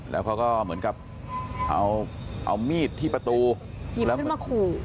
แล้วเขาก็เหมือนกับเอามีดที่ประตู